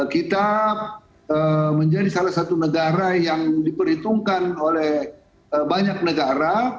kita menjadi salah satu negara yang diperhitungkan oleh banyak negara